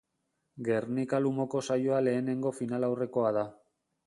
Gernika-Lumoko saioa lehenengo finalaurrekoa da.